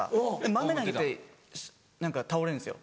豆投げて倒れるんですよ。